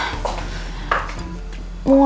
ain iii infinitih abadi